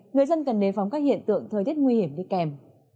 người dân cần đề phóng các hiện tượng thời tiết nguy hiểm đi kèm